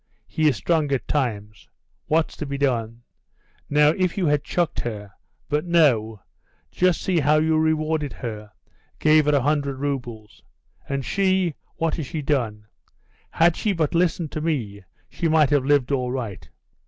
He is strong at times. What's to be done? Now, if you had chucked her; but no, just see how you rewarded her, gave her a hundred roubles. And she? What has she done? Had she but listened to me she might have lived all right.